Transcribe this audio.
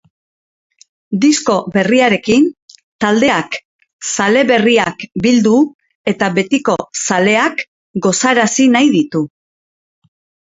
Disko berriarekin, taldeak zale berriak bildu eta betiko zaleeak gozarazi nahi ditu.